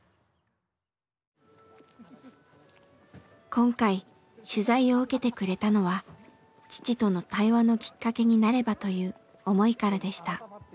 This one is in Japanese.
今回取材を受けてくれたのは父との対話のきっかけになればという思いからでした。